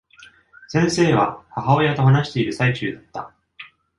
先生は、母親と話している最中だった。